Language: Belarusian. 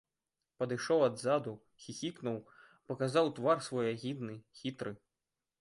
Падышоў адзаду, хіхікнуў, паказаў твар свой агідны, хітры.